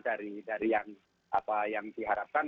dari dari yang apa yang diharapkan